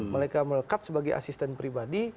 mereka melekat sebagai asisten pribadi